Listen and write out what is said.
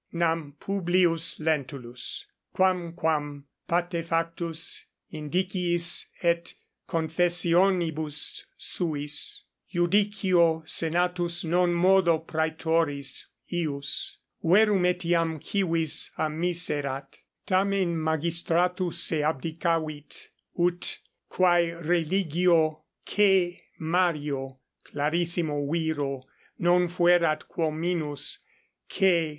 Nam P. Lentulus, quamquam, patefactus indiciis et confessionibus suis, iudicio senatus non modo praetoris ius, verum etiam civis amiserat, tamen magistratu se abdicavit, ut, quae religio C. Mario, clarissimo viro, non fuerat quo minus C.